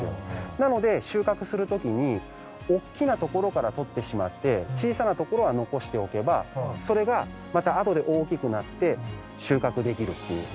なので収穫するときに大きな所から採ってしまって小さな所は残しておけばそれがまたあとで大きくなって収穫できるっていう。